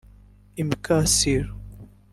Imikasiro